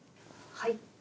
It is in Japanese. はい。